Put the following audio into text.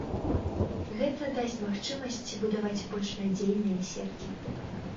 Гэта дасць магчымасць будаваць больш надзейныя сеткі.